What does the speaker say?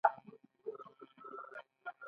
غوږونه د مینې غږ خوښوي